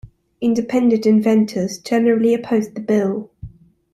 Independent inventors generally opposed the bill.